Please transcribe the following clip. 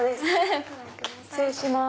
失礼します。